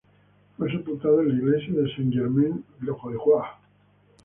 Fue sepultado en la iglesia de Saint Germain l’Auxerrois.